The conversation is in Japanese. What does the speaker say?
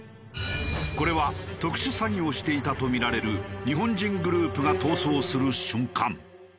これは特殊詐欺をしていたと見られる日本人グループが逃走する瞬間。